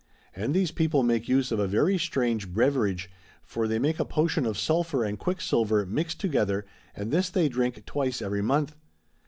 And these people make use of a very strange beverage ; for they make a potion of sulphur and quicksilver mixt to gether and this they drink twice every month.